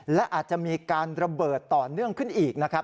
และอาจจะมีการระเบิดต่อเนื่องขึ้นอีกนะครับ